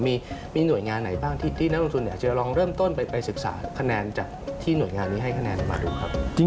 มีหน่วยงานไหนบ้างที่นักลงทุนอยากจะลองเริ่มต้นไปศึกษาคะแนนจากที่หน่วยงานนี้ให้คะแนนมาดูครับ